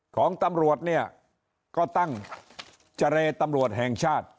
ของตำรวจเนี่ยก็ตั้งเจรตำรวจแห่งชาติ